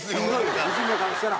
西村からしたら。